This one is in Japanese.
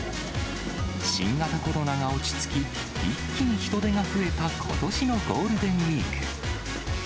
新型コロナが落ち着き、一気に人出が増えたことしのゴールデンウィーク。